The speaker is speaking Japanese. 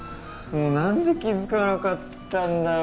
もう何で気づかなかったんだよ